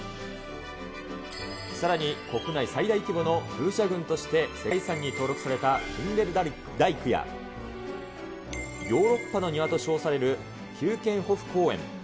さらに国内最大規模の風車群として世界遺産に登録されたキンデルダイクや、ヨーロッパの庭と称される、キューケンホフ公園。